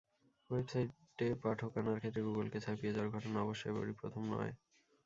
ওয়েবসাইটে পাঠক আনার ক্ষেত্রে গুগলকে ছাপিয়ে যাওয়ার ঘটনা অবশ্য এবারই প্রথম নয়।